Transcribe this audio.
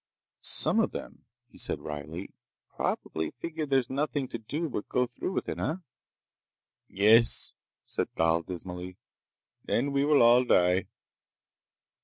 "Some of them," he said wryly, "probably figure there's nothing to do but go through with it, eh?" "Yes," said Thal dismally. "Then we will all die."